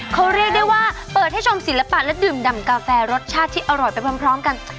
เขาเรียกได้ว่าเปิดให้ชมศิลปะและดื่มดำกาแฟรสชาติที่อร่อยไปพร้อมกัน